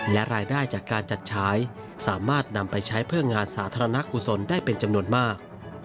และรายได้จากการจัดฉายสามารถนำไปใช้เพื่องานสาธารณกุศลได้เป็นจำนวนมาก